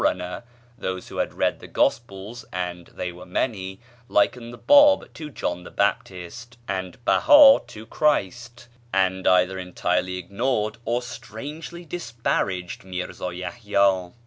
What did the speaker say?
[page xvi] and forerunner (those who had read the Gospels, and they were many, likened the Báb to John the Baptist and Behá to Christ); and either entirely ignored or strangely disparaged Mírzá Yahyá.